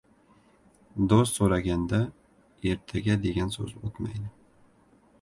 • Do‘st so‘raganda “ertaga” degan so‘z o‘tmaydi.